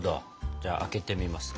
じゃあ開けてみますか。